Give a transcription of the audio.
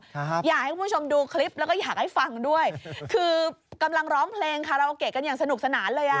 อยากให้คุณผู้ชมดูคลิปแล้วก็อยากให้ฟังด้วยคือกำลังร้องเพลงคาราโอเกะกันอย่างสนุกสนานเลยอ่ะ